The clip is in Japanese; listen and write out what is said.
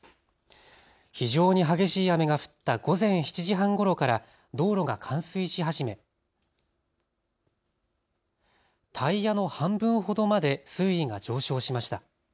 非常に激しい雨が降った午前７時半ごろから道路が冠水し始めタイヤの半分ほどまで水位が上昇しました。